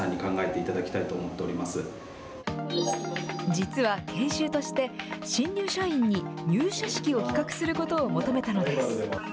実は研修として、新入社員に入社式を企画することを求めたのです。